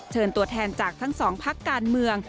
เชิญตัวแทนจากทั้งสองพักการเมือง